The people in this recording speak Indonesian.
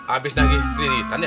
abis lagi keridikan ya